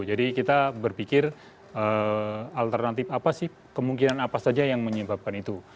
jadi kita berpikir alternatif apa sih kemungkinan apa saja yang menyebabkan itu